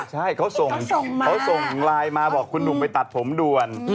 ใช่เขาส่งไลน์มาบอกคุณหนุ่มไปตัดผมด่วน